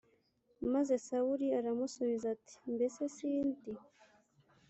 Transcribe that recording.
Maze Sawuli aramusubiza ati Mbese sindi